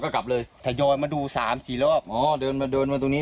ก็กลับเลยทยอยมาดูสามสี่รอบอ๋อเดินมาเดินมาตรงนี้